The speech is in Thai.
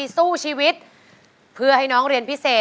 ถูกต้องทุกคำ